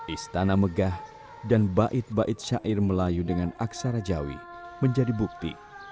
istana megah dan bait bait syair melayu dengan aksara jawa menjadi bukti